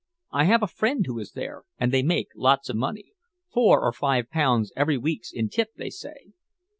I have a friend who is there, and they make lots of money four or five pounds every week in tips, they say."